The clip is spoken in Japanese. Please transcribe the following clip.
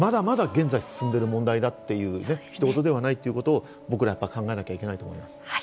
現在も進んでいる問題ということで人ごとではないということを僕らは考えなきゃいけないと思います。